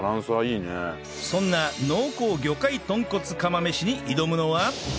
そんな濃厚魚介豚骨釜飯に挑むのは